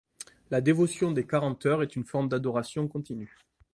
La dévotion des Quarante-Heures est une forme d'adoration continue.